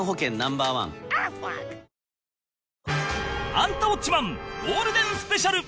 『アンタウォッチマン！』ゴールデンスペシャル